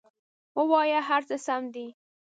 ووایه هر څه سم دي!